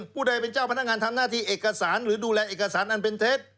ผู้ใดเป็นเจ้าพนักงานทำหน้าที่เอกสารหรือดูแลเอกสารอันเป็นเท็จ